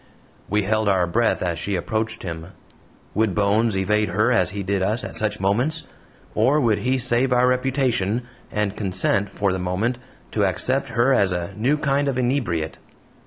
We held our breath as she approached him. Would Bones evade her as he did us at such moments, or would he save our reputation, and consent, for the moment, to accept her as a new kind of inebriate?